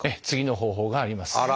次の方法があります。